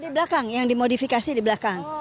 di belakang yang dimodifikasi di belakang